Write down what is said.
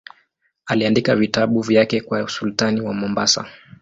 Aliandika vitabu vyake kwa sultani wa Mombasa.